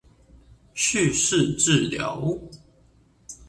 敘事治療